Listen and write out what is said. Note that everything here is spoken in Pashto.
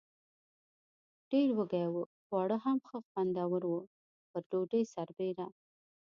ډېر وږي و، خواړه هم ښه خوندور و، پر ډوډۍ سربېره.